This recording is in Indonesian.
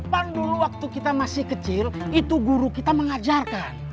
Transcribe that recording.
pada waktu kita masih kecil itu guru kita mengajarkan